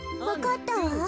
わかったわ。